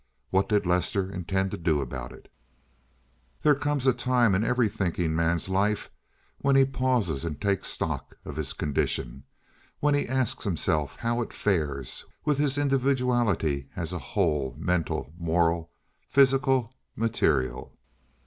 What did Lester intend to do about it? There comes a time in every thinking man's life when he pauses and "takes stock" of his condition; when he asks himself how it fares with his individuality as a whole, mental, moral, physical, material.